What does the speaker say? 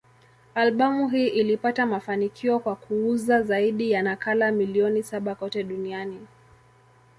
Albamu hii ilipata mafanikio kwa kuuza zaidi ya nakala milioni saba kote duniani.